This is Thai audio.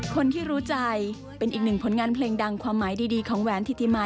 คนที่รู้ใจเป็นอีกหนึ่งผลงานเพลงดังความหมายดีของแหวนธิติมา